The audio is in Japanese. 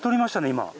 今。